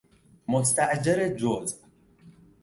مستأجر جزء